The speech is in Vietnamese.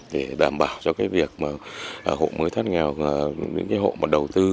để đảm bảo cho việc hộ mới thoát nghèo những hộ đầu tư